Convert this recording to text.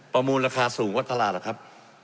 ประมูลราคาสูงกว่าตลาดหรอกครับ